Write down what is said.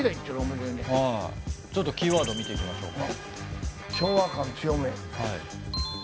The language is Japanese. ちょっとキーワード見ていきましょうか。